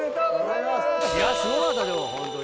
いやすごかったでもホントに。